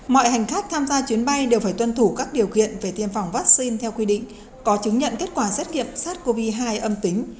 mọi hành khách tham gia chuyến bay đều phải tuân thủ các điều kiện về tiêm phòng vaccine theo quy định có chứng nhận kết quả xét nghiệm sars cov hai âm tính